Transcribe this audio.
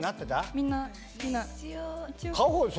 みんな好きな。